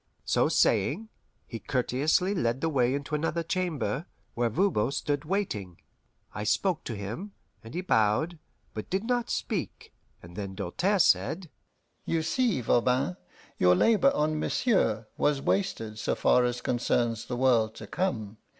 So saying, he courteously led the way into another chamber, where Voban stood waiting. I spoke to him, and he bowed, but did not speak; and then Doltaire said: "You see, Voban, your labour on Monsieur was wasted so far as concerns the world to come.